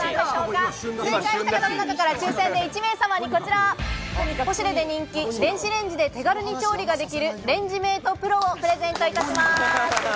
正解した方の中から抽選で１名様にこちら、ポシュレで人気、電子レンジで手軽に調理ができる「レンジメートプロ」をプレゼントいたします。